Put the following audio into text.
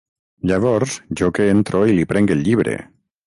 Llavors, jo que entro i li prenc el llibre.